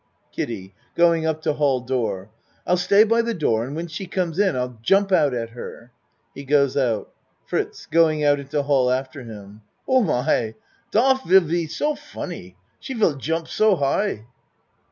KIDDIE (Going up to hall door.) I'll stay by the door and when she comes in, I'll jump out at her. (He goes out.) FRITZ (Going out into hall after him.) Oh my! Dot will be so funny! She will jump so high.